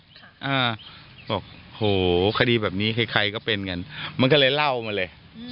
เขาบอกโหคดีแบบนี้ใครใครก็เป็นกันมันก็เลยเล่ามาเลย